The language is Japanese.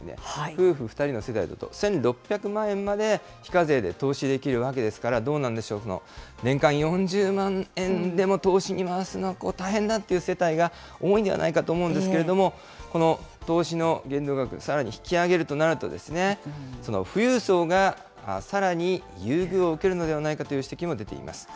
夫婦２人の世帯だと１６００万円まで、非課税で投資できるわけですから、どうなんでしょう、年間４０万円でも投資に回すのは大変だという世帯が多いんではないかと思うんですけれども、この投資の限度額、さらに引き上げるとなると、富裕層がさらに優遇を受けるのではないかという指摘も出ています。